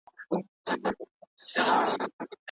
بې علمه انسان کمزوری وي.